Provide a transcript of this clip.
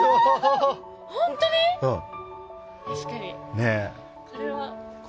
ねえ。